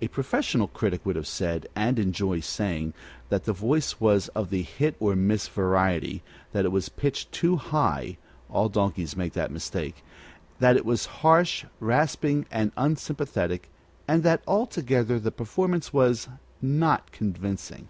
A professional critic would have said, and enjoyed saying, that the voice was of the hit or miss variety; that it was pitched too high (all donkeys make that mistake); that it was harsh, rasping and unsympathetic, and that altogether the performance was "not convincing."